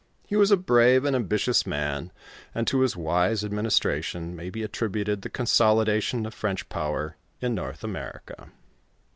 He was a brave and ambitious man, and to his wise administration may be attributed the consolidation of French power in North America.